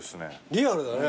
リアルだね。